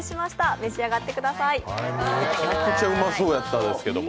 めちゃくちゃうまそうやったです。